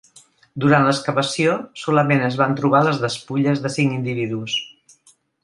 Durant l'excavació, solament es van trobar les despulles de cinc individus.